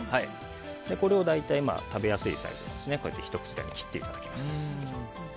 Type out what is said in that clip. これを食べやすいサイズひと口大に切っていただきます。